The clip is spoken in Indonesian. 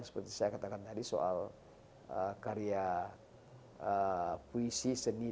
seperti saya katakan tadi soal karya puyuh budaya dan sebagainya